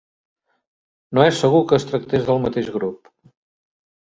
No és segur que es tractés del mateix grup.